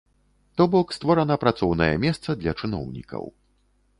То бок, створана працоўнае месца для чыноўнікаў.